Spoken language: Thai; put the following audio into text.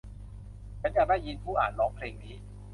ฉันอยากได้ยินผู้อ่านร้องเพลงนี้